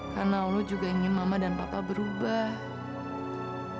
karena allah juga ingin mama dan papa berubah